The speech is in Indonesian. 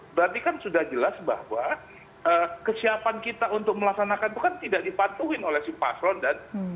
berarti kan sudah jelas bahwa kesiapan kita untuk melaksanakan itu kan tidak dipatuhi oleh si paslon dan